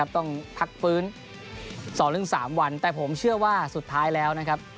ต้องพักฟื้น๒๓วันแต่ผมเชื่อว่าสุดท้ายแล้วนะครับ